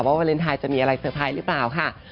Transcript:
วาเลนไทยจะมีอะไรเซอร์ไพรส์หรือเปล่าค่ะ